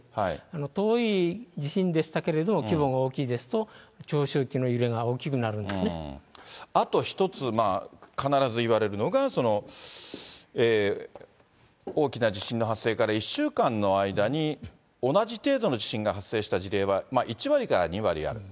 遠い地震でしたけれども、規模が大きいですと、長周期の揺れが大あと一つ、必ず言われるのが大きな地震の発生から１週間の間に、同じ程度の地震が発生した事例は１割から２割ある。